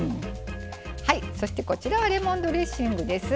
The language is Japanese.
そして、こちらはレモンドレッシングです。